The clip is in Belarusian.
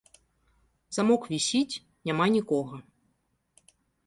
Замок вісіць, няма нікога.